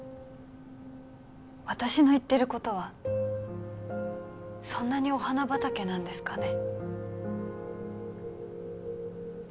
私の言ってることはそんなにお花畑なんですかね？